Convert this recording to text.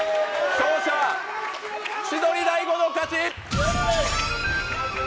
勝者は千鳥大悟の勝ち。